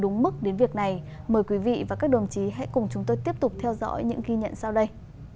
đúng mức đến việc này mời quý vị và các đồng chí hãy cùng chúng tôi tiếp tục theo dõi những ghi nhận sau đây